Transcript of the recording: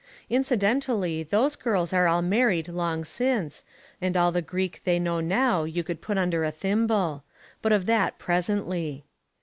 Incidentally, those girls are all married long since, and all the Greek they know now you could put under a thimble. But of that presently.